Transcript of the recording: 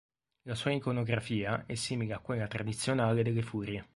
La sua iconografia è simile a quella tradizionale delle Furie.